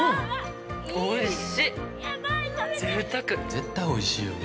◆絶対おいしいよね。